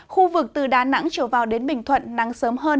khu vực từ đà nẵng trở vào đến bình thuận nắng sớm hơn